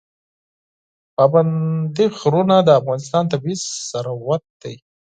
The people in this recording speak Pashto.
پابندی غرونه د افغانستان طبعي ثروت دی.